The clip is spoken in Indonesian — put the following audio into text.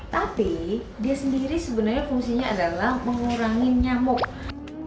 tapi dia sendiri sebenarnya fungsinya adalah mengusir